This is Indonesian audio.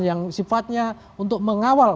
yang sifatnya untuk mengawal